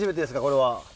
これは。